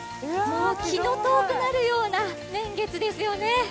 気の遠くなるような年月ですよね。